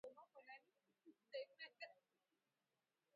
baadhi waligundua kuwa haiwezekani